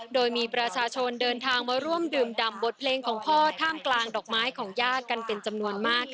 โดยมีประชาชนเดินทางมาร่วมดื่มดำบทเพลงของพ่อท่ามกลางดอกไม้ของญาติกันเป็นจำนวนมาก